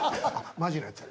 ・マジのやつや。